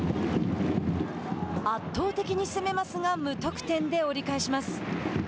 圧倒的に攻めますが無得点で折り返します。